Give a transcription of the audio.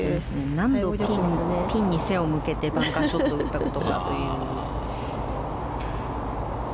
何度ピンに背を向けてバンカーショットを打ったかと。